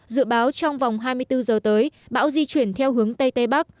dự báo trong vòng hai mươi bốn giờ tới bão di chuyển theo hướng tây tây bắc